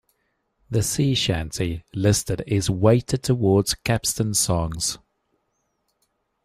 The Sea Chanty list is weighted towards capstan songs.